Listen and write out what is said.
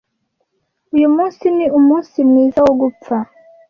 Uyu munsi ni umunsi mwiza wo gupfa.